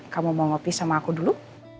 kamu mau ngopi sama aku dulu